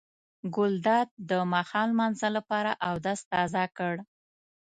ګلداد د ماښام لمانځه لپاره اودس تازه کړ.